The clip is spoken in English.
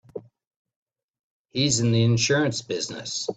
He's in the insurance business.